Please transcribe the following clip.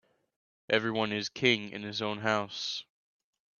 Every one is king in his own house.